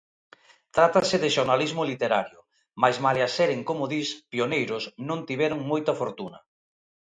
Trátase de xornalismo literario, mais, malia seren como dis, pioneiros, non tiveron moita fortuna.